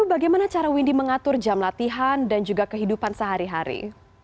bagaimana cara windy mengatur jam latihan dan juga kehidupan sehari hari